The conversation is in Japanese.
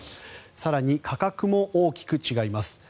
更に、価格も大きく違います。